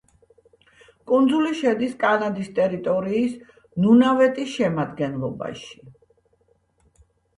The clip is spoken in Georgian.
კუნძული შედის კანადის ტერიტორიის ნუნავუტის შემადგენლობაში.